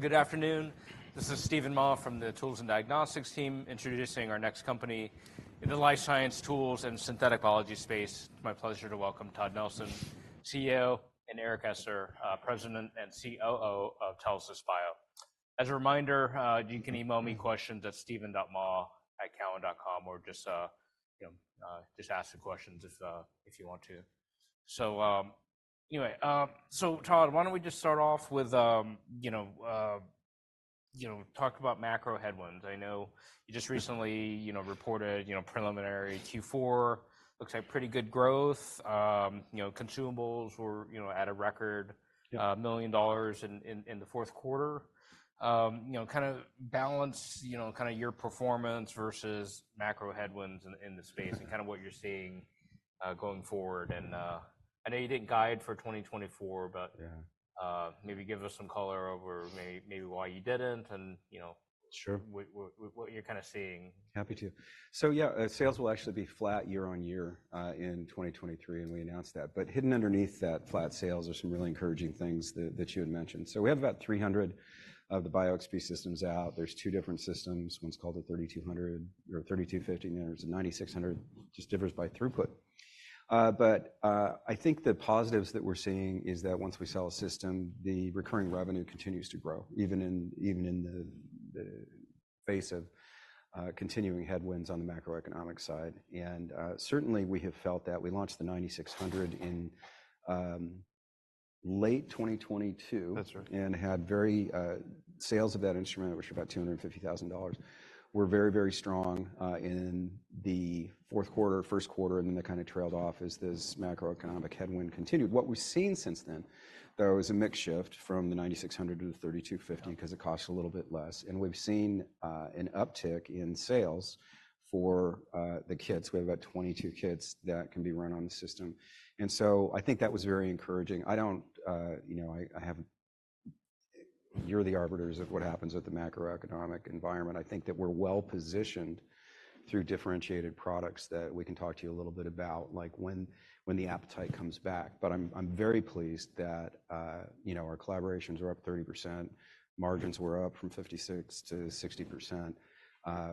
Good afternoon. This is Steven Mah from the Tools and Diagnostics team, introducing our next company in the life science tools and synthetic biology space. It's my pleasure to welcome Todd Nelson, CEO, and Eric Esser, President and COO of Telesis Bio. As a reminder, you can email me questions at steven.mah@cowen.com, or just, you know, just ask the questions if, if you want to. So, anyway, so Todd, why don't we just start off with, you know, you know, talk about macro headwinds. I know you just recently, you know, reported, you know, preliminary Q4. Looks like pretty good growth. You know, consumables were, you know, at a record- Yeah... million dollars in the fourth quarter. You know, kind of balance, you know, kind of your performance versus macro headwinds in the space- Mm - and kind of what you're seeing, going forward. And, I know you didn't guide for 2024, but- Yeah... maybe give us some color over maybe why you didn't and, you know- Sure... what you're kind of seeing. Happy to. So yeah, sales will actually be flat year-on-year in 2023, and we announced that. But hidden underneath that flat sales are some really encouraging things that you had mentioned. So we have about 300 of the BioXP systems out. There's two different systems. One's called the 3250, and there's a 9600, just differs by throughput. But I think the positives that we're seeing is that once we sell a system, the recurring revenue continues to grow, even in the face of continuing headwinds on the macroeconomic side. And certainly, we have felt that. We launched the 9600 in late 2022- That's right... and had very sales of that instrument, which are about $250,000, were very, very strong in the fourth quarter, first quarter, and then they kind of trailed off as this macroeconomic headwind continued. What we've seen since then, there was a mix shift from the 9600 to the 3250- Yeah... 'cause it costs a little bit less, and we've seen an uptick in sales for the kits. We have about 22 kits that can be run on the system, and so I think that was very encouraging. I don't, you know, I haven't-- You're the arbiters of what happens with the macroeconomic environment. I think that we're well-positioned through differentiated products that we can talk to you a little bit about, like when the appetite comes back. But I'm very pleased that, you know, our collaborations are up 30%. Margins were up from 56% to 60%.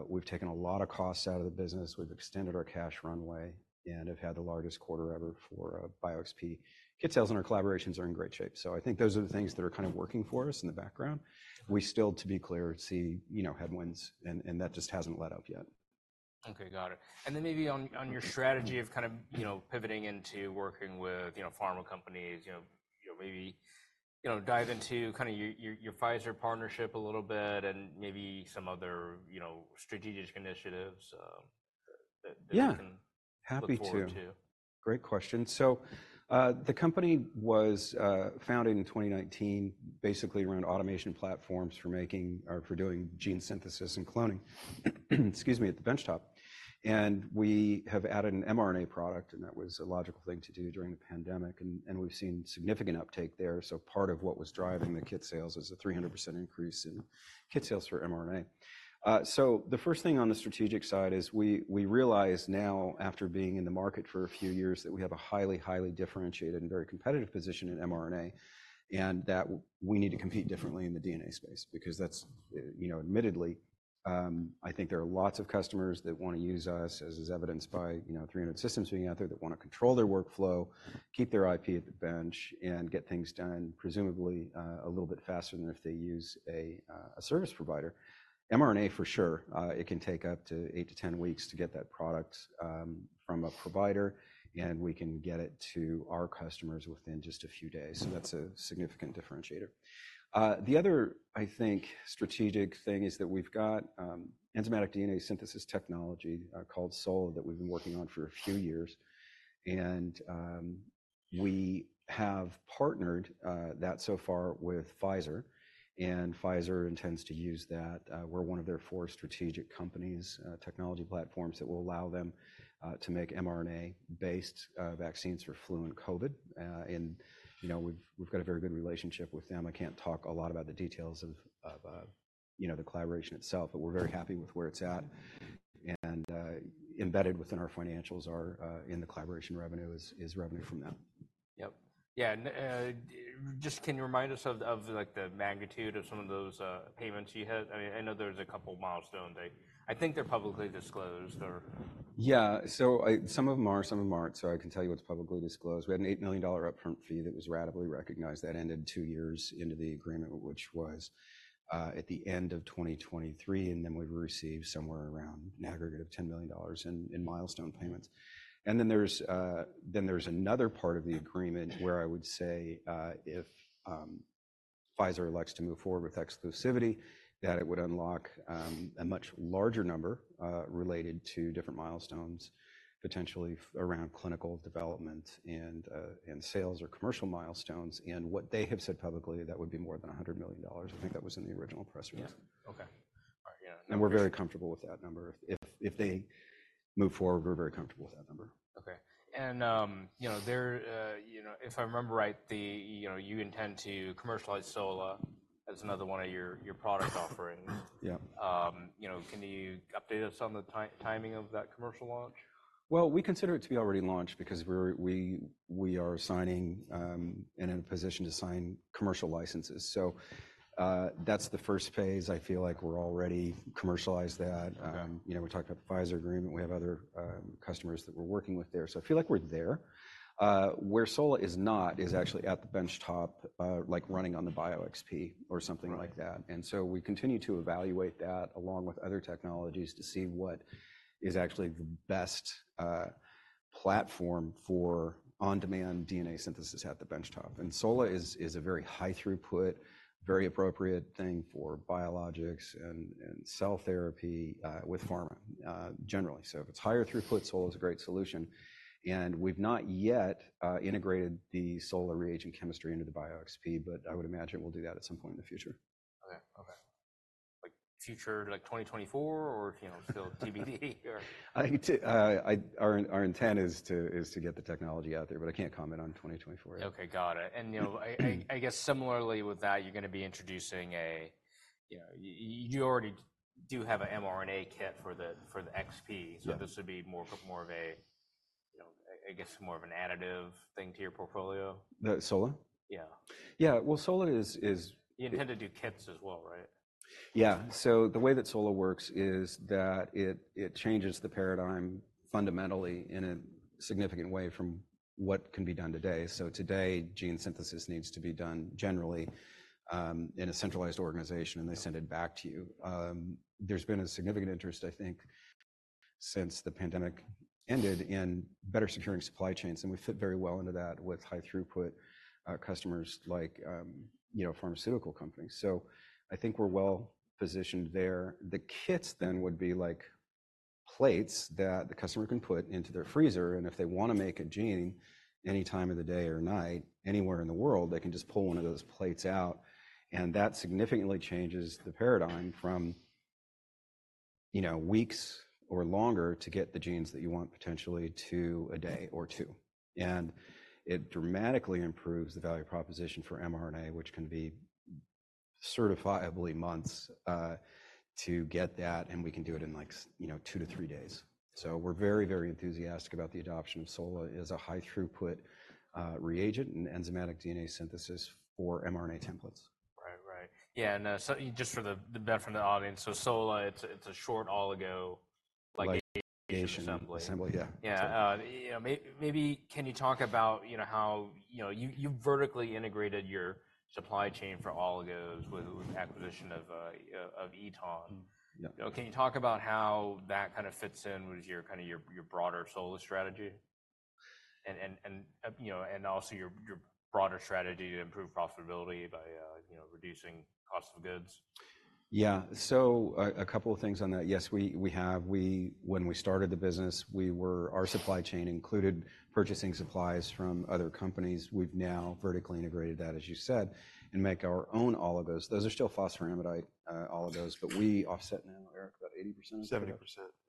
We've taken a lot of costs out of the business. We've extended our cash runway and have had the largest quarter ever for BioXP. Kit sales and our collaborations are in great shape. So, I think those are the things that are kind of working for us in the background. We still, to be clear, see, you know, headwinds, and that just hasn't let up yet. Okay, got it. And then maybe on your strategy of kind of, you know, pivoting into working with, you know, pharma companies, you know, you know, maybe, you know, dive into kind of your Pfizer partnership a little bit and maybe some other, you know, strategic initiatives, that we can- Yeah... look forward to. Happy to. Great question. So, the company was founded in 2019, basically around automation platforms for making or for doing gene synthesis and cloning, excuse me, at the bench top. And we have added an mRNA product, and that was a logical thing to do during the pandemic, and we've seen significant uptake there. So part of what was driving the kit sales is a 300% increase in kit sales for mRNA. So the first thing on the strategic side is we realize now, after being in the market for a few years, that we have a highly, highly differentiated and very competitive position in mRNA, and that we need to compete differently in the DNA space because that's... You know, admittedly, I think there are lots of customers that want to use us, as is evidenced by, you know, 300 systems being out there, that want to control their workflow, keep their IP at the bench, and get things done presumably, a little bit faster than if they use a service provider. mRNA, for sure, it can take up to 8-10 weeks to get that product, from a provider, and we can get it to our customers within just a few days, so that's a significant differentiator. The other, I think, strategic thing is that we've got enzymatic DNA synthesis technology, called SOLA, that we've been working on for a few years, and we have partnered that so far with Pfizer, and Pfizer intends to use that. We're one of their four strategic companies, technology platforms that will allow them to make mRNA-based vaccines for flu and COVID. And, you know, we've got a very good relationship with them. I can't talk a lot about the details of you know, the collaboration itself, but we're very happy with where it's at. And embedded within our financials are in the collaboration revenues, is revenue from them. Yep. Yeah, and just can you remind us of the magnitude of some of those payments you had? I mean, I know there's a couple milestones. They—I think they're publicly disclosed or... Yeah. So, some of them are, some of them aren't, so I can tell you what's publicly disclosed. We had an $8 million upfront fee that was ratably recognized. That ended two years into the agreement, which was at the end of 2023, and then we've received somewhere around an aggregate of $10 million in milestone payments. And then there's then there's another part of the agreement where I would say if Pfizer elects to move forward with exclusivity, that it would unlock a much larger number related to different milestones, potentially around clinical development and sales or commercial milestones. And what they have said publicly, that would be more than $100 million. I think that was in the original press release. Yeah. Okay. All right, yeah. We're very comfortable with that number. If they move forward, we're very comfortable with that number. Okay, and you know, if I remember right, you know, you intend to commercialize SOLA as another one of your product offerings. Yeah. You know, can you update us on the timing of that commercial launch? Well, we consider it to be already launched because we are signing and in a position to sign commercial licenses. So, that's the first phase. I feel like we're already commercialized that. Okay. You know, we talked about the Pfizer agreement. We have other customers that we're working with there. So, I feel like we're there. Where SOLA is not, is actually at the bench top, like running on the BioXP or something like that. Right. And so we continue to evaluate that along with other technologies to see what is actually the best platform for on-demand DNA synthesis at the bench top. And SOLA is a very high throughput, very appropriate thing for biologics and cell therapy with pharma generally. So if it's higher throughput, SOLA is a great solution, and we've not yet integrated the SOLA reagent chemistry into the BioXP, but I would imagine we'll do that at some point in the future. Okay. Okay. Like future, like 2024 or, you know, still TBD? Or- Our intent is to get the technology out there, but I can't comment on 2024. Okay, got it. And, you know, I guess similarly with that, you're gonna be introducing a... You know, you already do have a mRNA kit for the XP. Yeah. So this would be more of a, you know, I guess, more of an additive thing to your portfolio? The SOLA? Yeah. Yeah. Well, SOLA is You intend to do kits as well, right? Yeah. So the way that SOLA works is that it changes the paradigm fundamentally in a significant way from what can be done today. So today, gene synthesis needs to be done generally in a centralized organization, and they send it back to you. Yeah. There's been a significant interest, I think, since the pandemic ended, in better securing supply chains, and we fit very well into that with high throughput, customers like, you know, pharmaceutical companies. So I think we're well positioned there. The kits then would be like plates that the customer can put into their freezer, and if they want to make a gene any time of the day or night, anywhere in the world, they can just pull one of those plates out, and that significantly changes the paradigm from, you know, weeks or longer to get the genes that you want, potentially to a day or two. And it dramatically improves the value proposition for mRNA, which can be certifiably months to get that, and we can do it in, like, you know, two to three days. We're very, very enthusiastic about the adoption of SOLA as a high-throughput reagent and enzymatic DNA synthesis for mRNA templates. Right. Right. Yeah, and so just for the benefit of the audience, so SOLA, it's a short oligo, like- Like assembly... assembly. Assembly, yeah. Yeah. You know, maybe can you talk about, you know, how, you know, you, you've vertically integrated your supply chain for oligos with the acquisition of Eton. Yeah. Can you talk about how that kind of fits in with your kind of your broader SOLA strategy? And you know, and also your broader strategy to improve profitability by you know, reducing cost of goods. Yeah. So a couple of things on that. Yes, we have—when we started the business, we were—our supply chain included purchasing supplies from other companies. We've now vertically integrated that, as you said, and make our own oligos. Those are still phosphoramidite oligos, but we offset now, Eric, about 80%? 70%.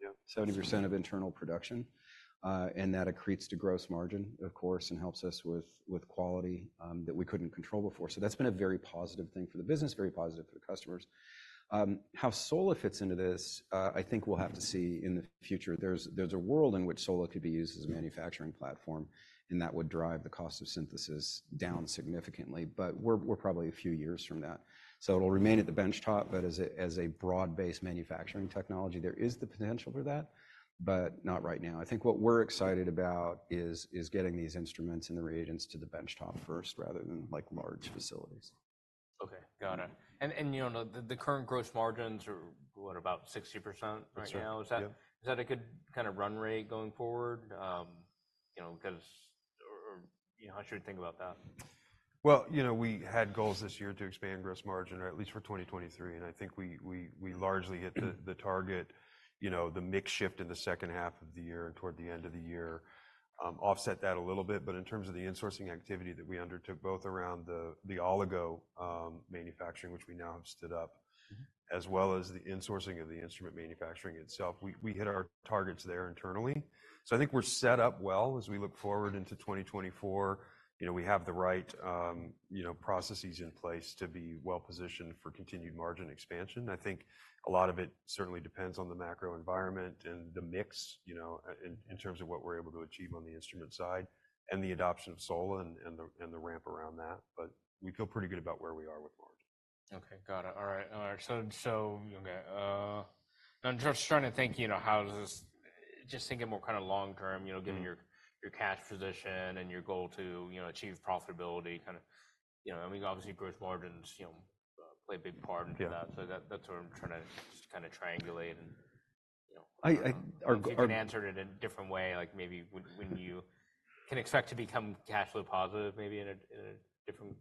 Yeah. 70% of internal production, and that accretes to gross margin, of course, and helps us with quality that we couldn't control before. So that's been a very positive thing for the business, very positive for the customers. How SOLA fits into this, I think we'll have to see in the future. There's a world in which SOLA could be used as a manufacturing platform, and that would drive the cost of synthesis down significantly, but we're probably a few years from that. So it'll remain at the bench top, but as a broad-based manufacturing technology, there is the potential for that, but not right now. I think what we're excited about is getting these instruments and the reagents to the bench top first, rather than, like, large facilities. Okay, got it. And you know, the current gross margins are, what? About 60% right now. That's right. Yeah. Is that, is that a good kind of run rate going forward? You know, 'cause, you know, how should we think about that? Well, you know, we had goals this year to expand gross margin, or at least for 2023, and I think we largely hit the target. You know, the mix shift in the second half of the year and toward the end of the year offset that a little bit. But in terms of the insourcing activity that we undertook, both around the oligo manufacturing, which we now have stood up- Mm-hmm... as well as the insourcing of the instrument manufacturing itself, we hit our targets there internally. So I think we're set up well as we look forward into 2024. You know, we have the right, you know, processes in place to be well positioned for continued margin expansion. I think a lot of it certainly depends on the macro environment and the mix, you know, in terms of what we're able to achieve on the instrument side and the adoption of SOLA and the ramp around that, but we feel pretty good about where we are with margin. Okay, got it. All right, so, I'm just trying to think, you know, how does this... Just thinking more kind of long term, you know- Mm... given your cash position and your goal to, you know, achieve profitability, kind of... You know, I mean, obviously, gross margins, you know, play a big part into that. Yeah. So that's what I'm trying to just kind of triangulate and, you know- I, I, our, our- You can answer it in a different way, like maybe when you can expect to become cash flow positive, maybe in a different...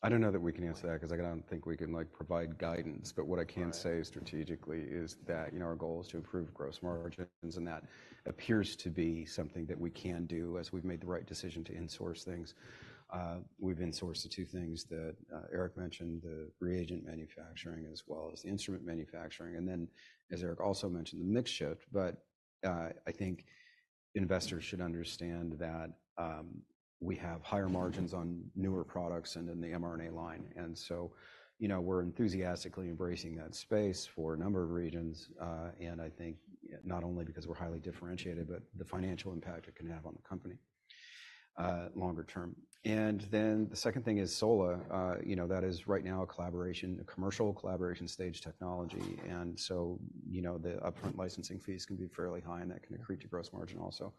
I don't know that we can answer that, 'cause I don't think we can, like, provide guidance. Right. But what I can say strategically is that, you know, our goal is to improve gross margins, and that appears to be something that we can do, as we've made the right decision to insource things. We've insourced the two things that Eric mentioned, the reagent manufacturing as well as the instrument manufacturing, and then, as Eric also mentioned, the mix shift. But, I think investors should understand that, we have higher margins on newer products and in the mRNA line. And so, you know, we're enthusiastically embracing that space for a number of reasons, and I think not only because we're highly differentiated, but the financial impact it can have on the company, longer term. And then the second thing is SOLA. You know, that is right now a collaboration, a commercial collaboration stage technology. And so, you know, the upfront licensing fees can be fairly high, and that can accrete to gross margin also.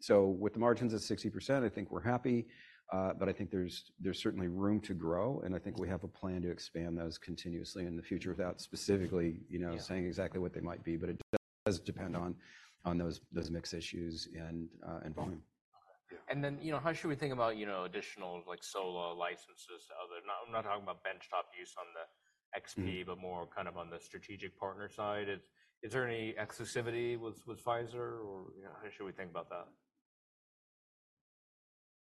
So with the margins at 60%, I think we're happy, but I think there's certainly room to grow, and I think we have a plan to expand those continuously in the future without specifically, you know- Yeah... saying exactly what they might be, but it does depend on those mix issues and volume. Okay. Yeah. And then, you know, how should we think about, you know, additional, like, SOLA licenses to other-- I'm not, I'm not talking about bench top use on the XP- Mm-hmm... but more kind of on the strategic partner side. Is there any exclusivity with Pfizer, or, you know, how should we think about that?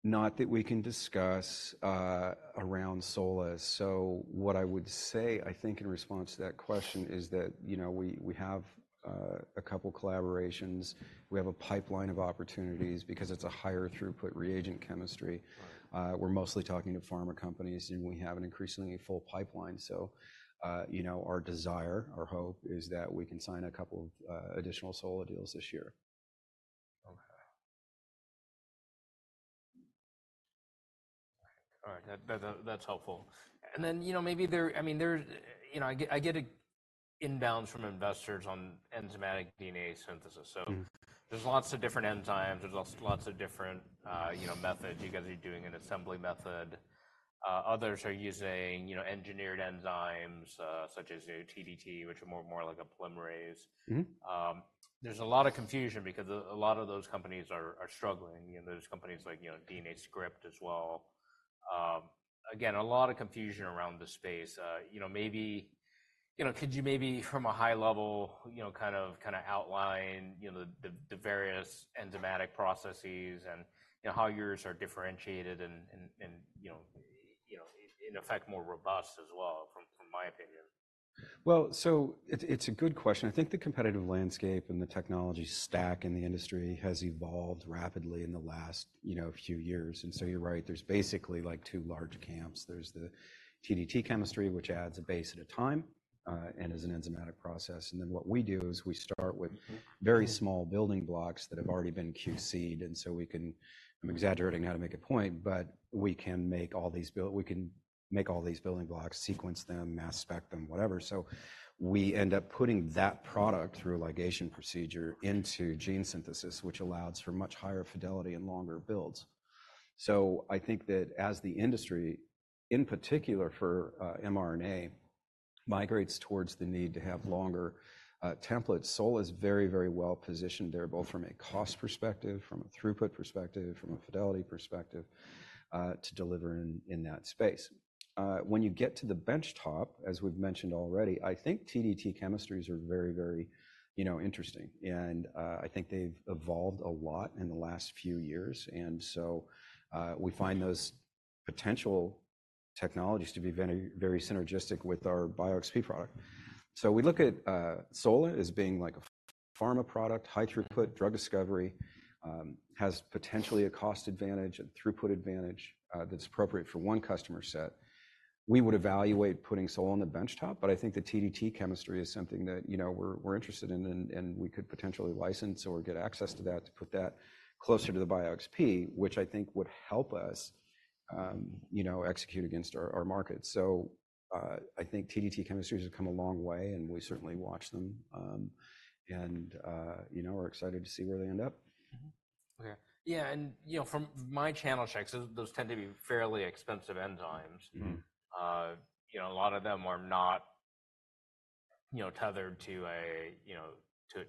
Not that we can discuss around SOLA. So what I would say, I think, in response to that question is that, you know, we, we have a couple collaborations. We have a pipeline of opportunities, because it's a higher throughput reagent chemistry. Right. We're mostly talking to pharma companies, and we have an increasingly full pipeline. So, you know, our desire, our hope, is that we can sign a couple of additional SOLA deals this year. Okay. All right, that that's helpful. And then, you know, maybe there... I mean, there's, you know, I get inbounds from investors on enzymatic DNA synthesis, so- Mm-hmm. There's lots of different enzymes. There's also lots of different, you know, methods. You guys are doing an assembly method. Others are using, you know, engineered enzymes, such as TdT, which are more like a polymerase. Mm-hmm. There's a lot of confusion because a lot of those companies are struggling, and there's companies like, you know, DNA Script as well. Again, a lot of confusion around the space. You know, maybe, you know, could you maybe, from a high level, you know, kind of outline, you know, the various enzymatic processes and, you know, how yours are differentiated and, you know, in effect, more robust as well, from my opinion? Well, so it's a good question. I think the competitive landscape and the technology stack in the industry has evolved rapidly in the last, you know, few years. Mm-hmm. And so you're right, there's basically, like, two large camps. There's the TdT chemistry, which adds a base at a time, and is an enzymatic process. And then what we do is we start with- Mm-hmm... very small building blocks that have already been QC'd, and so we can... I'm exaggerating now to make a point, but we can make all these building blocks, sequence them, mass spec them, whatever. So we end up putting that product through a ligation procedure into gene synthesis, which allows for much higher fidelity and longer builds. So I think that as the industry, in particular for mRNA, migrates towards the need to have longer templates, SOLA is very, very well positioned there, both from a cost perspective, from a throughput perspective, from a fidelity perspective, to deliver in that space. When you get to the bench top, as we've mentioned already, I think TdT chemistries are very, very, you know, interesting, and I think they've evolved a lot in the last few years. And so, we find those potential technologies to be very, very synergistic with our BioXP product. So we look at SOLA as being like a pharma product, high throughput, drug discovery, has potentially a cost advantage and throughput advantage, that's appropriate for one customer set. We would evaluate putting SOLA on the bench top, but I think the TdT chemistry is something that, you know, we're interested in, and we could potentially license or get access to that, to put that closer to the BioXP, which I think would help us, you know, execute against our market. So, I think TdT chemistries have come a long way, and we certainly watch them. And, you know, we're excited to see where they end up. Mm-hmm. Okay. Yeah, and, you know, from my channel checks, those tend to be fairly expensive enzymes. Mm-hmm. You know, a lot of them are not, you know, tethered to a, you know,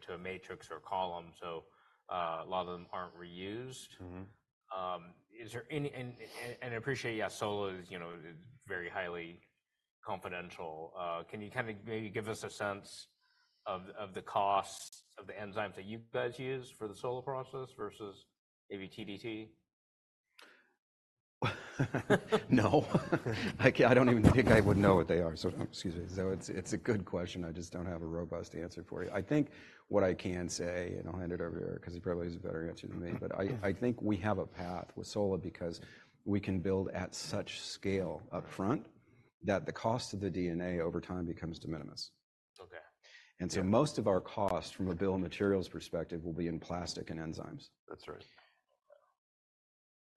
to a matrix or column, so, a lot of them aren't reused. Mm-hmm. Is there any, and I appreciate, yeah, SOLA is, you know, very highly confidential. Can you kind of maybe give us a sense of the cost of the enzymes that you guys use for the SOLA process versus maybe TdT? No. I can't. I don't even think I would know what they are, so excuse me. So it's a good question, I just don't have a robust answer for you. I think what I can say, and I'll hand it over to Eric, because he probably has a better answer than me, but I think we have a path with SOLA because we can build at such scale upfront, that the cost of the DNA over time becomes de minimis. Okay. And so most of our cost, from a bill of materials perspective, will be in plastic and enzymes.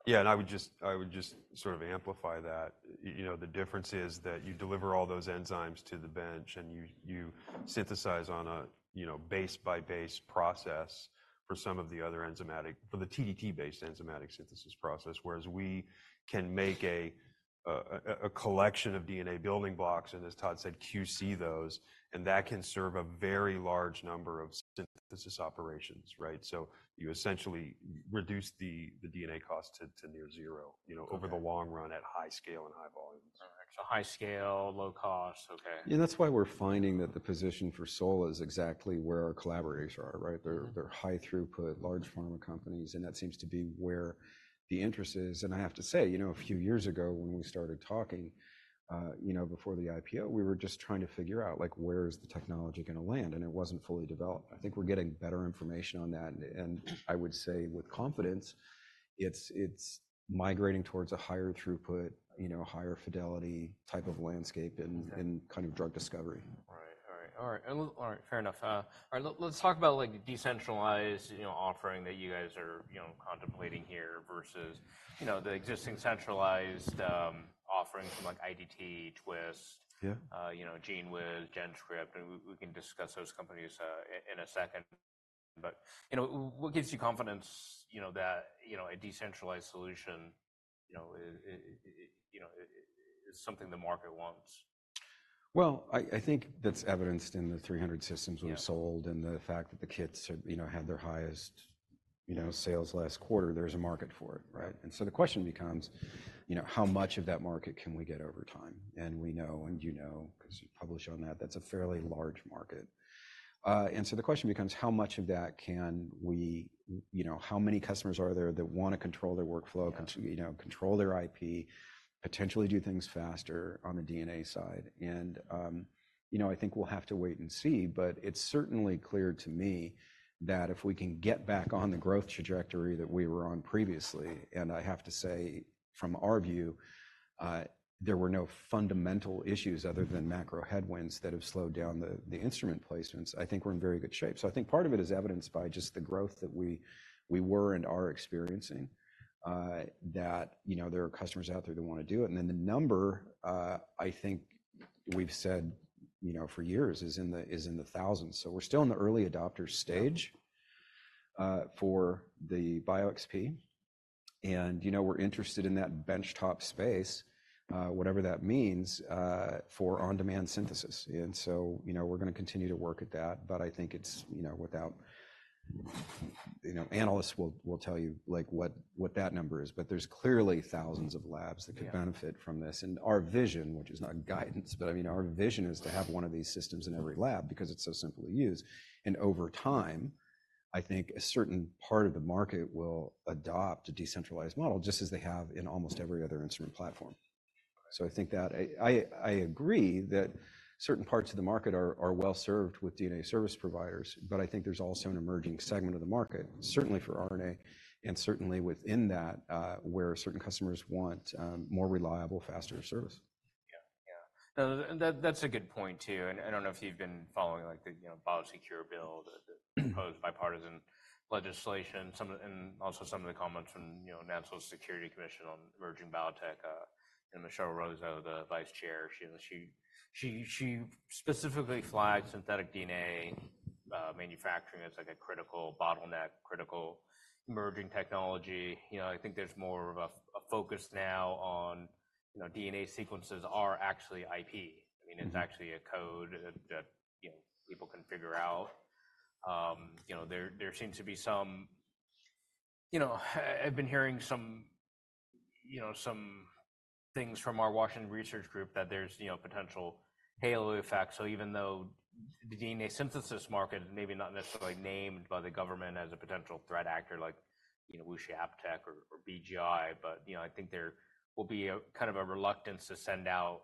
That's right. Yeah, and I would just, I would just sort of amplify that. You know, the difference is that you deliver all those enzymes to the bench, and you, you synthesize on a, you know, base-by-base process for some of the other enzymatic... for the TdT-based enzymatic synthesis process. Whereas we can make a, a, a collection of DNA building blocks, and as Todd said, QC those, and that can serve a very large number of synthesis operations, right? So you essentially reduce the, the DNA cost to, to near zero, you know- Okay... over the long run, at high scale and high volumes. High scale, low cost. Okay. Yeah, that's why we're finding that the position for SOLA is exactly where our collaborators are, right? Mm-hmm. They're high throughput, large companies, and that seems to be where the interest is. And I have to say, you know, a few years ago when we started talking, you know, before the IPO, we were just trying to figure out, like, where is the technology going to land? And it wasn't fully developed. I think we're getting better information on that, and I would say with confidence, it's migrating towards a higher throughput, you know, higher fidelity type of landscape in kind of drug discovery. Right. All right, all right. All right, fair enough. Let's talk about, like, the decentralized, you know, offering that you guys are, you know, contemplating here versus, you know, the existing centralized offerings from, like, IDT, Twist. Yeah. you know, GENEWIZ, GenScript, and we, we can discuss those companies, in a second. But, you know, what gives you confidence, you know, that, you know, a decentralized solution, you know, is something the market wants? Well, I think that's evidenced in the 300 systems we've sold- Yeah... and the fact that the kits are, you know, had their highest, you know, sales last quarter. There's a market for it, right? And so the question becomes: You know, how much of that market can we get over time? And we know, and you know, because you've published on that, that's a fairly large market. And so the question becomes: How much of that can we, you know, how many customers are there that want to control their workflow- Yeah... continue, you know, control their IP, potentially do things faster on the DNA side? And, you know, I think we'll have to wait and see, but it's certainly clear to me that if we can get back on the growth trajectory that we were on previously, and I have to say, from our view, there were no fundamental issues other than macro headwinds that have slowed down the instrument placements. I think we're in very good shape. So I think part of it is evidenced by just the growth that we were and are experiencing, that, you know, there are customers out there that want to do it. And then the number, I think we've said, you know, for years is in the thousands. So we're still in the early adopter stage for the BioXP, and, you know, we're interested in that benchtop space, whatever that means, for on-demand synthesis. And so, you know, we're going to continue to work at that, but I think it's, you know, without... You know, analysts will tell you, like, what that number is, but there's clearly thousands of labs- Yeah... that could benefit from this. Our vision, which is not guidance, but, I mean, our vision is to have one of these systems in every lab because it's so simple to use. Over time, I think a certain part of the market will adopt a decentralized model, just as they have in almost every other instrument platform. Okay. So I think that... I agree that certain parts of the market are well served with DNA service providers, but I think there's also an emerging segment of the market- Mm... certainly for RNA, and certainly within that, where certain customers want more reliable, faster service. Yeah, yeah. Now, that, that's a good point, too. And I don't know if you've been following, like, the, you know, BIOSECURE Act, the proposed bipartisan legislation, and also some of the comments from, you know, National Security Commission on Emerging Biotechnology, and Michelle Rozo, the vice chair. She specifically flagged synthetic DNA manufacturing as, like, a critical bottleneck, critical emerging technology. You know, I think there's more of a focus now on, you know, DNA sequences are actually IP. Mm. I mean, it's actually a code that you know, people can figure out. You know, there seems to be some... You know, I've been hearing some you know, some things from our Washington research group that there's you know, potential halo effect. So even though the DNA synthesis market is maybe not necessarily- Mm... named by the government as a potential threat actor like, you know, WuXi AppTec or, or BGI, but, you know, I think there will be a kind of a reluctance to send out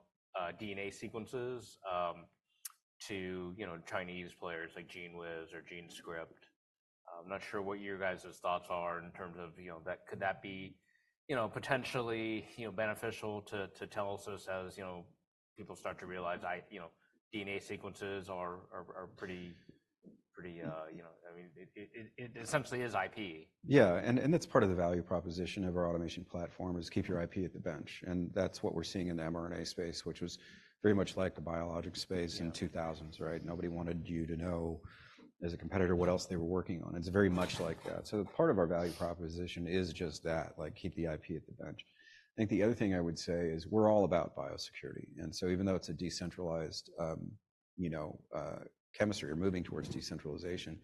DNA sequences to, you know, Chinese players like GENEWIZ or GenScript. I'm not sure what your guys' thoughts are in terms of, you know, that—could that be, you know, potentially, you know, beneficial to Telesis as, you know, people start to realize, I—you know, DNA sequences are, are, are pretty, pretty... You know, I mean, it, it, it essentially is IP. Yeah, and that's part of the value proposition of our automation platform, is keep your IP at the bench, and that's what we're seeing in the mRNA space, which was very much like the biologic space- Yeah... in the 2000s, right? Nobody wanted you to know, as a competitor, what else they were working on. It's very much like that. So, part of our value proposition is just that, like, keep the IP at the bench. I think the other thing I would say is we're all about biosecurity, and so even though it's a decentralized, you know, chemistry, we're moving towards decentralization.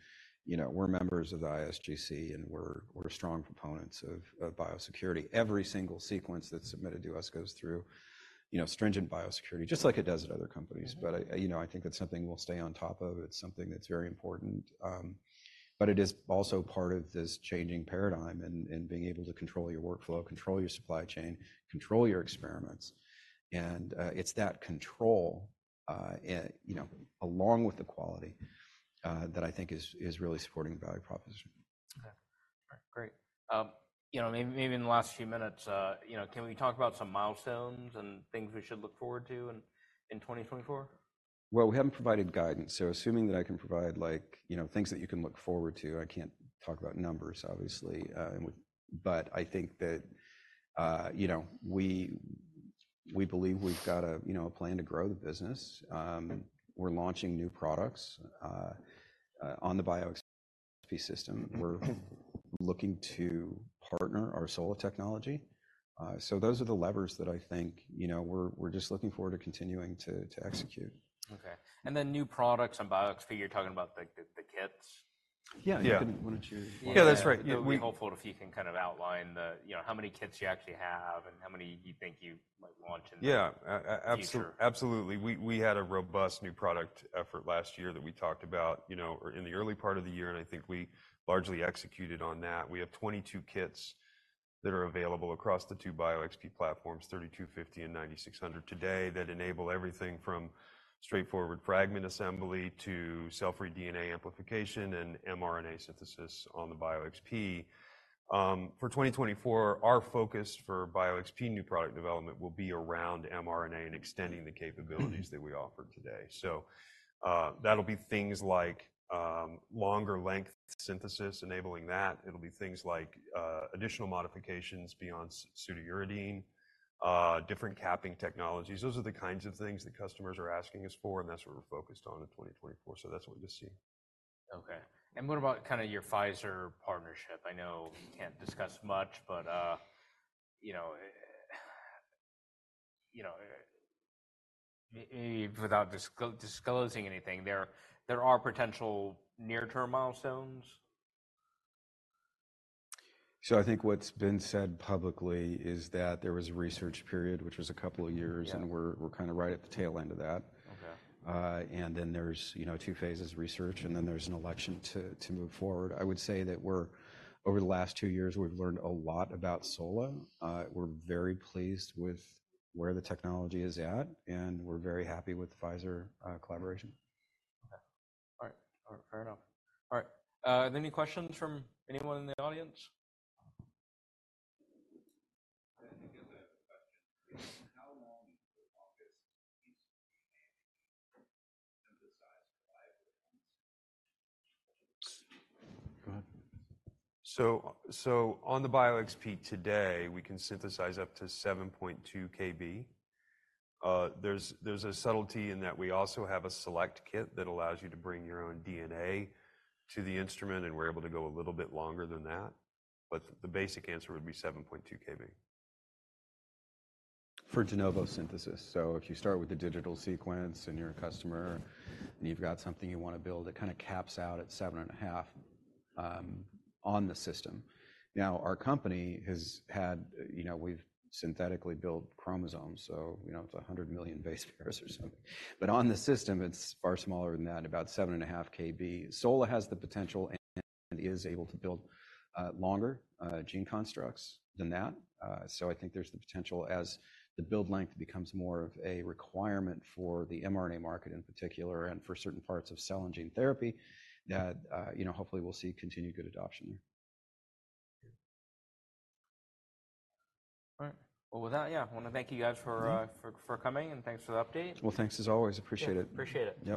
You know, we're members of the IGSC, and we're strong proponents of biosecurity. Every single sequence that's submitted to us goes through, you know, stringent biosecurity, just like it does at other companies. Mm. But, you know, I think that's something we'll stay on top of. It's something that's very important, but it is also part of this changing paradigm and, and being able to control your workflow, control your supply chain, control your experiments, and, it's that control, you know, along with the quality, that I think is, is really supporting the value proposition. Okay. All right, great. You know, maybe in the last few minutes, you know, can we talk about some milestones and things we should look forward to in 2024? Well, we haven't provided guidance, so assuming that I can provide, like, you know, things that you can look forward to, I can't talk about numbers, obviously. But I think that, you know, we believe we've got a, you know, a plan to grow the business. We're launching new products on the BioXP system. Mm. We're looking to partner our SOLA technology. So those are the levers that I think, you know, we're just looking forward to continuing to execute. Okay. And then new products on BioXP, you're talking about, like, the, the kits? Yeah. Yeah. Why don't you- Yeah, that's right. Yeah, we- It'd be helpful if you can kind of outline the, you know, how many kits you actually have and how many you think you might launch in the- Yeah... future. Absolutely. We had a robust new product effort last year that we talked about, you know, or in the early part of the year, and I think we largely executed on that. We have 22 kits that are available across the two BioXP platforms, 3250 and 9600 today, that enable everything from straightforward fragment assembly to cell-free DNA amplification and mRNA synthesis on the BioXP. For 2024, our focus for BioXP new product development will be around mRNA and extending the capabilities that we offer today. So, that'll be things like longer length synthesis, enabling that. It'll be things like additional modifications beyond pseudouridine, different capping technologies. Those are the kinds of things that customers are asking us for, and that's what we're focused on in 2024, so that's what you'll see. Okay. And what about kind of your Pfizer partnership? I know we can't discuss much, but without disclosing anything, there are potential near-term milestones? I think what's been said publicly is that there was a research period, which was a couple of years. Yeah. We're kind of right at the tail end of that. Okay. And then there's, you know, two phases of research, and then there's an election to move forward. I would say that we're over the last two years, we've learned a lot about SOLA. We're very pleased with where the technology is at, and we're very happy with the Pfizer collaboration. Okay. All right. Fair enough. All right, are there any questions from anyone in the audience? I think I have a question. How long is the longest piece you can synthesize reliably at once? Go ahead. On the BioXP today, we can synthesize up to 7.2 kb. There's a subtlety in that we also have a Select Kit that allows you to bring your own DNA to the instrument, and we're able to go a little bit longer than that, but the basic answer would be 7.2 kb. For de novo synthesis. So, if you start with the digital sequence, and you're a customer, and you've got something you want to build, it kind of caps out at 7.5 on the system. Now, our company has had, you know, we've synthetically built chromosomes, so you know, it's 100 million base pairs or something. But on the system, it's far smaller than that, about 7.5 kb. SOLA has the potential and is able to build longer gene constructs than that. So I think there's the potential as the build length becomes more of a requirement for the mRNA market in particular, and for certain parts of cell and gene therapy, that you know, hopefully we'll see continued good adoption there. All right. Well, with that, yeah, I want to thank you guys for coming, and thanks for the update. Well, thanks as always. Appreciate it. Appreciate it. Yep.